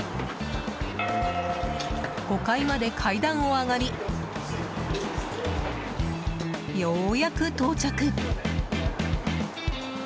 ５階まで階段を上がりようやく到着。